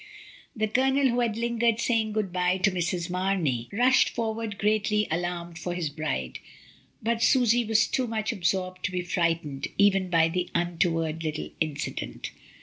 The Colonel, who had lingered saying good bye to Mrs. Mamey, rushed forward greatly alarmed for his bride, but Susy was too much absorbed to be frightened even by the untoward little incident.